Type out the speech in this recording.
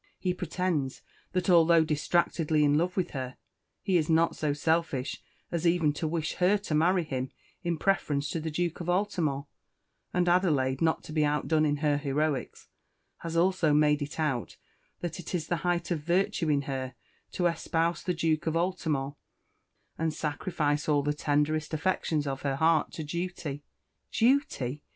He pretends that, although distractedly in love with her, he is not so selfish as even to wish her to marry him in preference to the Duke of Altamont; and Adelaide, not to be outdone in heroics, has also made it out that it is the height of virtue in her to espouse the Duke of Altamont, and sacrifice all the tenderest affections of her heart to duty! Duty!